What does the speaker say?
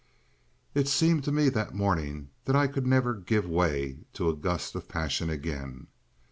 It seemed to me that morning that I could never give way to a gust of passion again.